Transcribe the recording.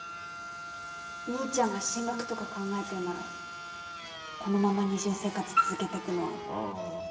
兄ちゃんが進学とか考えてんならこのまま二重生活続けてくのは無理だと思う。